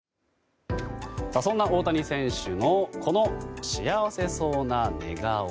そんな大谷選手のこの幸せそうな寝顔。